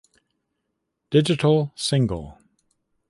Digital single